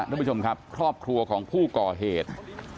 ท่านผู้ชมครับครอบครัวของผู้ก่อเหตุ